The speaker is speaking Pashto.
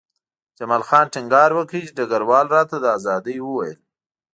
جمال خان ټینګار وکړ چې ډګروال راته د ازادۍ وویل